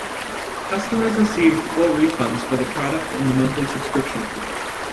Customers received full refunds for the product and the monthly subscription fee.